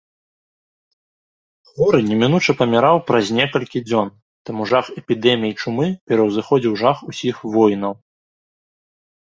Хворы немінуча паміраў праз некалькі дзён, таму жах эпідэмій чумы пераўзыходзіў жах усіх войнаў.